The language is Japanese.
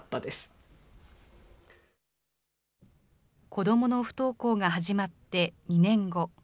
子どもの不登校が始まって２年後。